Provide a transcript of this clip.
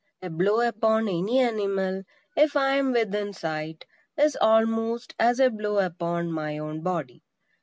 A blow upon any animal, if I am within sight, is almost as a blow upon my own body.